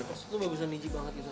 itu bagusnya niji banget